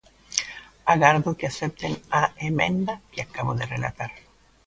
Agardo que acepten a emenda que acabo de relatar.